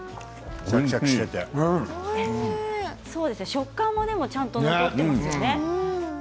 食感もちゃんと残っていますよね。